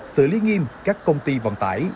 xử lý nghiêm các công ty vận tải